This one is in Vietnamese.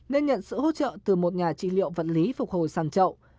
nên nhận sự hỗ trợ từ một nhà trị liệu vận lý phục hồi sản trậu